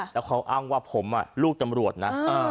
แล้วเขาอ้างว่าผมลูกตำรวจนะ